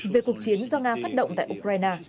về cuộc chiến do nga phát động tại ukraine